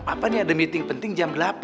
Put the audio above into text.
papa ini ada meeting penting jam delapan